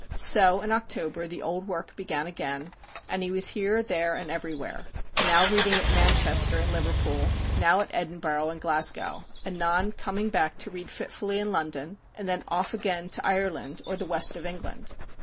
So in October the old work began again, and he was here, there, and everywhere, now reading at Manchester and Liverpool, now at Edinburgh and Glasgow, anon coming back to read fitfully in London, then off again to Ireland, or the West of England.